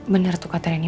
bener tuh catarine